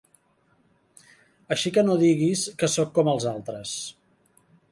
Així que no diguis que soc com els altres.